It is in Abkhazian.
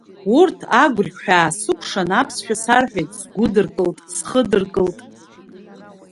Урҭ агурқьҳәа иаасыкушан, аԥсшәа сарҳәеит, сгудыркылт-схыдыркылт.